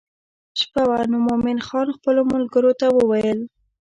شپه وه نو مومن خان خپلو ملګرو ته وویل.